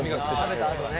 食べたあとね。